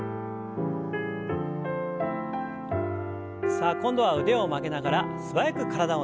さあ今度は腕を曲げながら素早く体をねじります。